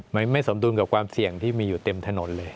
มันไม่สมดุลกับความเสี่ยงที่มีอยู่เต็มถนนเลย